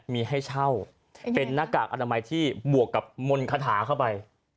มีให้เช่าเป็นหน้ากากอนามัยที่บวกกับมนต์คาถาเข้าไป